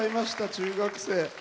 中学生。